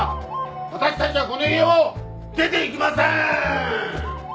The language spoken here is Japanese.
私たちはこの家を出ていきませーん！